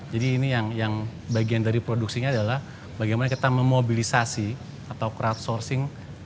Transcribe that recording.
jadi ini yang bagian dari produksinya adalah bagaimana kita memobilisasi atau crowdsourcing